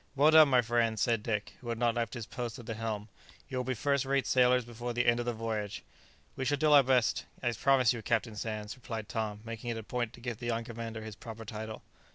"Well done, my friends!" said Dick, who had not left his post at the helm; "you will be first rate sailors before the end of the voyage." "We shall do our best, I promise you, Captain Sands," replied Tom, making it a point to give the young commander his proper title.